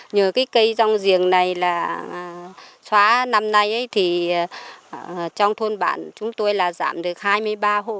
nhờ cái cây rong giềng này là xóa năm nay thì trong thôn bản chúng tôi là giảm được hai mươi ba hộ